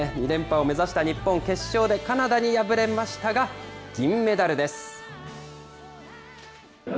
２連覇を目指した日本、決勝でカナダに敗れましたが、銀メダルです。